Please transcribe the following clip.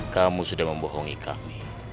kamu sudah membohongi kami